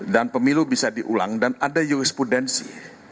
dan pemilu bisa diulang dan ada jurisprudensi